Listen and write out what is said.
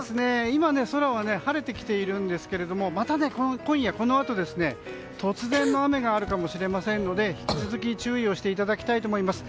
今、空は晴れてきているんですがまた今夜、このあと突然の雨があるかもしれませんので引き続き注意をしていただきたいと思います。